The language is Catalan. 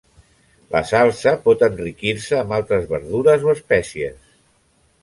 La salsa pot enriquir-se amb altres verdures o espècies.